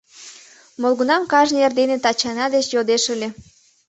Молгунам кажне эрдене Тачана деч йодеш ыле.